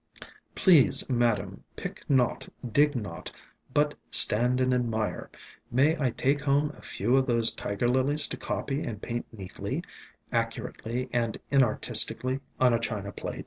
"Please, Madam Pick not dig not but stand and admire, may I take home a few of those Tiger Lilies to copy and paint neatly, accurately and inar tistically on a china plate?